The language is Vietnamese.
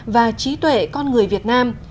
và trí tuệ của đất nước việt nam